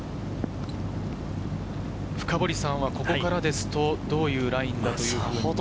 深堀さん、ここからですとどういうラインだというふうに思いますか？